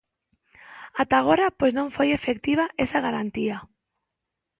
Ata agora pois non foi efectiva esa garantía.